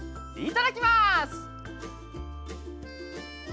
いただきます。